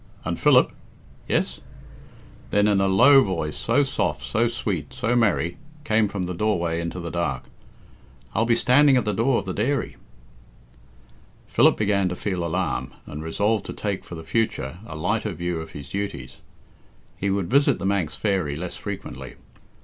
"And, Philip!" "Yes?" Then a low voice, so soft, so sweet, so merry, came from the doorway into the dark, "I'll be standing at the door of the dairy." Philip began to feel alarm, and resolved to take for the future a lighter view of his duties. He would visit "The Manx Fairy" less frequently.